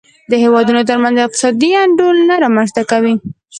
د هېوادونو ترمنځ اقتصادي انډول نه رامنځته کوي.